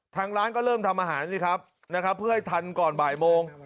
ทางร้านก็เริ่มทำอาหารสิครับนะครับเพื่อให้ทันก่อนบ่ายโมง